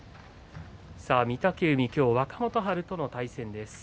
御嶽海、今日、若元春との対戦です。